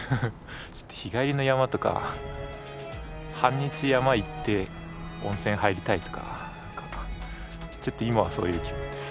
ちょっと日帰りの山とか半日山行って温泉入りたいとか何かちょっと今はそういう気分です。